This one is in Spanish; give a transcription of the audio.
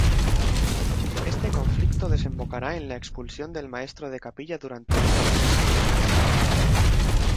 Este conflicto desembocará en la expulsión del maestro de capilla durante unos meses.